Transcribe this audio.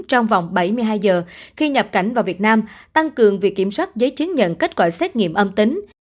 trong vòng bảy mươi hai giờ khi nhập cảnh vào việt nam tăng cường việc kiểm soát giấy chứng nhận kết quả xét nghiệm âm tính